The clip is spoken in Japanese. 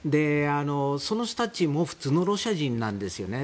その人たちも普通のロシア人なんですよね。